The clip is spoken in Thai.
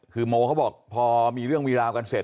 คือโมเขาบอกพอมีเรื่องมีราวกันเสร็จ